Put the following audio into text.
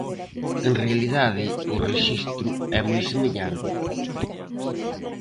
En realidade, o rexistro é moi semellante.